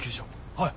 はい。